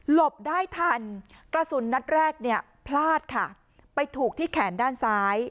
บได้ทันกระสุนนัดแรกเนี่ยพลาดค่ะไปถูกที่แขนด้านซ้าย